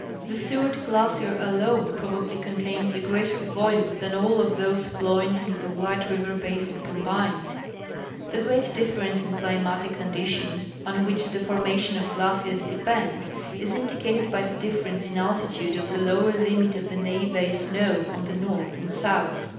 The Seward glacier alone probably contains a greater volume than all of those flowing into the White river basin combined. The great difference in climatic conditions, on which the formation of glaciers depend, is indicated by the difference in altitude of the lower limit of the neve snow on the north and south.